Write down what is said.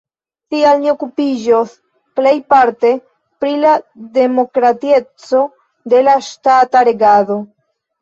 Tial ni okupiĝos plejparte pri la demokratieco de la ŝtata regado.